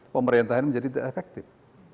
pemerintahan menjadi tidak efektif